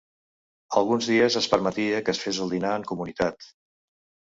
Alguns dies es permetia que es fes el dinar en comunitat.